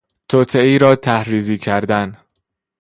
توطئهای را طرحریزی کردن